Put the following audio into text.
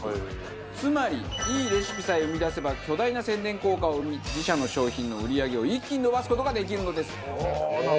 つまりいいレシピさえ生み出せば巨大な宣伝効果を生み自社の商品の売り上げを一気に伸ばす事ができるのです。